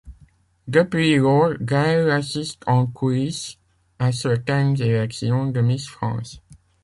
Depuis lors, Gaëlle assiste en coulisses à certaines élections de Miss France.